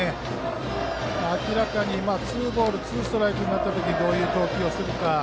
明らかにツーボールツーストライクになったときにどういう投球にするか。